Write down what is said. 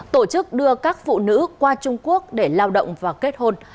tổ chức đưa các phụ nữ qua trung quốc để lao động và kết hôn